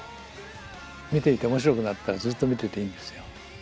見ていて面白くなったらずっと見てていいんですよ。